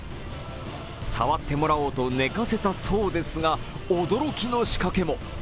触ってもらおうと寝かせたそうですが、驚きの仕掛けも。